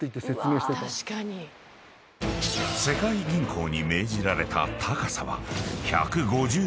［世界銀行に命じられた高さは１５０ｍ］